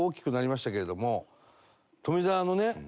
富澤のね